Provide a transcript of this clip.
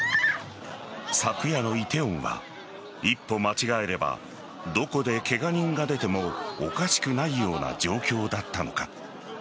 昨夜の梨泰院は、一歩間違えればどこでケガ人が出てもおかしくないような状況だったのか。